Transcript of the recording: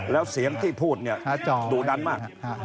แล้วเสียงที่พูดเนี่ยดุดันมาก